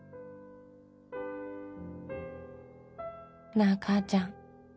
「なあかーちゃん。